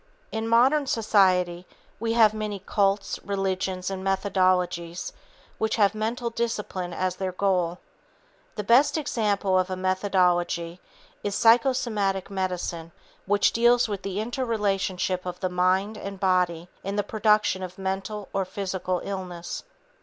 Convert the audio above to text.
In modern society we have many cults, religions and methodologies which have mental discipline as their goal. The best example of a methodology is psychosomatic medicine which deals with the interrelationship of the mind and body in the production of mental or physical illness.